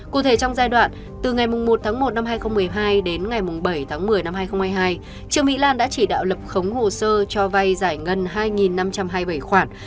cụ thể trong giai đoạn từ ngày một tháng một năm hai nghìn một mươi hai đến ngày bảy tháng một mươi năm hai nghìn hai mươi hai trương mỹ lan đã chỉ đạo lập khống hồ sơ cho vay giải ngân hai năm trăm hai mươi bảy khoản